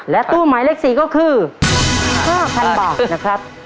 และตู้หมายเลขสี่ก็คือห้าพันบาทนะครับ